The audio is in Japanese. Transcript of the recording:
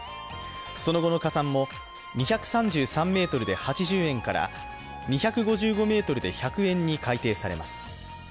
その後の加算も２３３ｍで８０円から２５５ｍで１００円に改定されます。